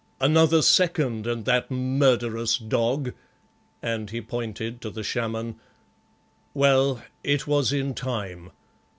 Another second, and that murderous dog" and he pointed to the Shaman "well, it was in time.